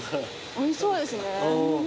おいしそうですね。